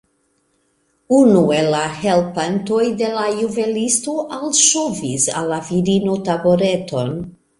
Unu el la helpantoj de la juvelisto alŝovis al la virino tabureton.